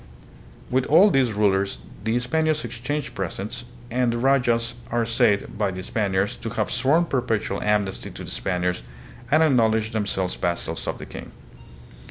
With all these rulers the Spaniards exchanged presents, and the rajas are said by the Spaniards to have sworn perpetual amnesty to the Spaniards and ac knowledged themselves vassals of the king.